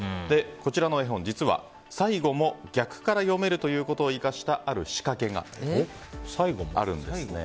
こちらの絵本、実は最後も逆から読めるということを生かしたある仕掛けがあるんですね。